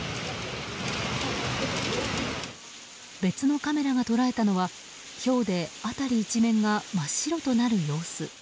別のカメラが捉えたのはひょうで辺り一面が真っ白となる様子。